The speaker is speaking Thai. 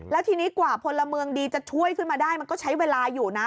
แล้วทีนี้กว่าพลเมืองดีจะช่วยขึ้นมาได้มันก็ใช้เวลาอยู่นะ